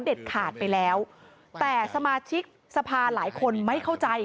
ขาดไปแล้วแต่สมาชิกสภาหลายคนไม่เข้าใจ